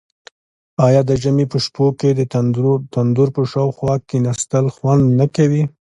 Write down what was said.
آیا د ژمي په شپو کې د تندور په شاوخوا کیناستل خوند نه کوي؟